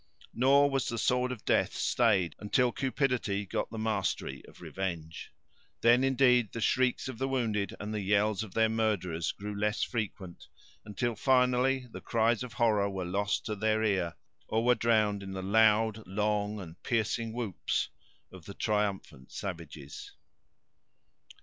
Nor was the sword of death stayed until cupidity got the mastery of revenge. Then, indeed, the shrieks of the wounded, and the yells of their murderers grew less frequent, until, finally, the cries of horror were lost to their ear, or were drowned in the loud, long and piercing whoops of the triumphant savages.